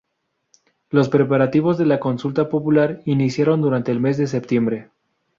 Los preparativos de la consulta popular iniciaron durante el mes de septiembre.